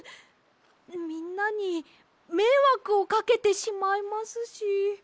みんなにめいわくをかけてしまいますし。